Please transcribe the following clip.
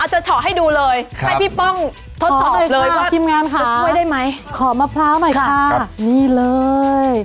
อาจจะชอให้ดูเลยให้พี่พ่องทดสอบเลยว่าขอมะพร้าวใหม่ค่ะนี่เลย